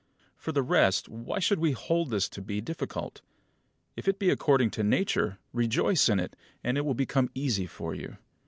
For the rest, why should we hold this to be difficult? If it be according to Nature, rejoice in it, and it will become easy for you.